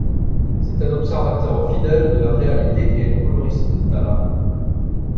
C'est un observateur fidèle de la réalité et un coloriste de talent.